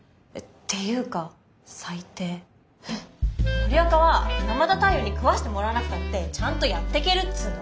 森若は山田太陽に食わせてもらわなくたってちゃんとやってけるっつうの。